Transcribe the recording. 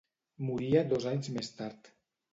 Moria dos anys més tard.